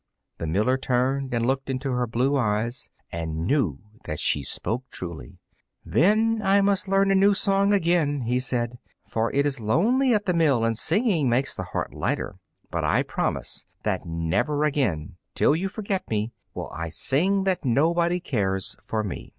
The miller turned and looked into her blue eyes, and knew that she spoke truly. "Then I must learn a new song again," he said, "for it is lonely at the mill, and singing makes the heart lighter. But I will promise that never again, till you forget me, will I sing that nobody cares for me."